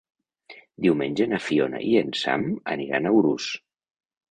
Diumenge na Fiona i en Sam aniran a Urús.